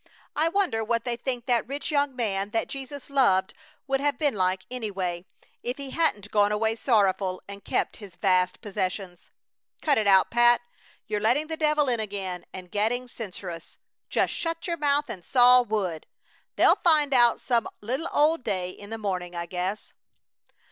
I wonder what they think that rich young man that Jesus loved would have been like, anyway, if he hadn't gone away sorrowful and kept his vast possessions. Cut it out, Pat! You're letting the devil in again and getting censorious! Just shut your mouth and saw wood! They'll find out some little old day in the morning, I guess."